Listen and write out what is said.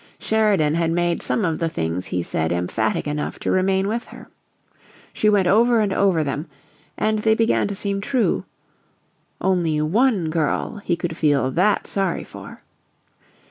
Sheridan had made some of the things he said emphatic enough to remain with her. She went over and over them and they began to seem true: "Only ONE girl he could feel THAT sorry for!"